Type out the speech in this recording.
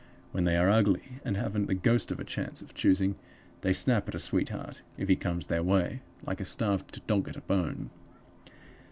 When they are ugly, and haven't got the ghost of a chance of choosing, they snap at a sweetheart, if he comes their way, like a starved dog at a bone.